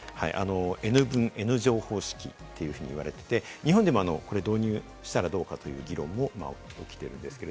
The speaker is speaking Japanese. Ｎ分Ｎ乗方式というふうに言われていて、日本でもこれ導入したらどうかという議論も起きています。